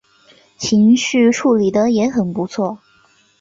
情绪处理的也很不错